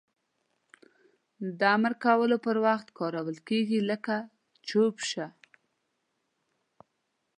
د امر کولو پر وخت کارول کیږي لکه چوپ شه!